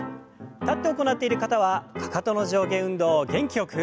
立って行っている方はかかとの上下運動を元気よく。